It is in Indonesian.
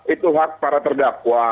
itu hak para terdakwa